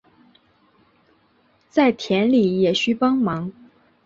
在田里也需帮忙